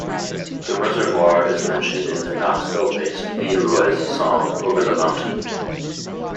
The reservoir is mentioned in the Knoxville-based V-Roys song "Over the Mountain".